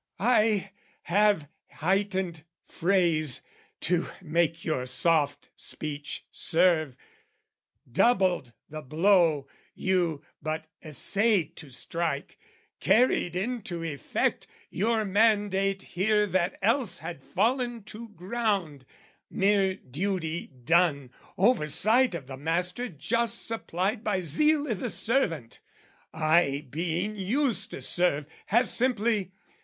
I have heightened phrase to make your soft speech serve, Doubled the blow you but essayed to strike, Carried into effect your mandate here That else had fallen to ground: mere duty done, Oversight of the master just supplied By zeal i' the servant: I, being used to serve, Have simply...